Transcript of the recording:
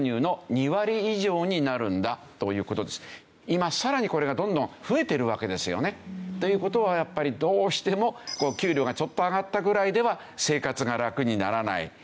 今さらにこれがどんどん増えてるわけですよね。という事はやっぱりどうしても給料がちょっと上がったぐらいでは生活がラクにならない。